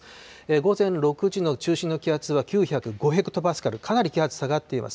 午前６時の中心の気圧は９０５ヘクトパスカル、かなり気圧下がっています。